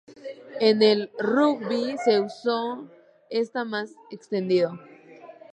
En el rugby su uso está más extendido.